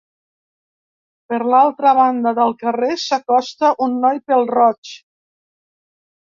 Per l'altra banda del carrer s'acosta un noi pèl-roig.